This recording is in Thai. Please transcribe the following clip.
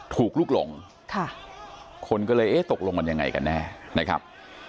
ถูกลุกหลงคนก็เลยเอ๊ะตกลงมันยังไงกันแน่นะครับ